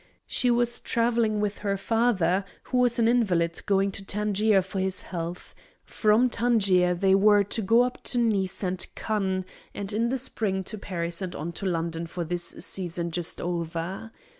She was travelling with her father, who was an invalid going to Tangier for his health; from Tangier they were to go on up to Nice and Cannes, and in the spring to Paris and on to London for this season just over.